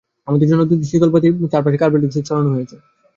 আমাদের জন্যে দুটো শীতল পাটি, পাটির চারপাশে কার্বলিক এসিড ছড়ানো হয়েছে।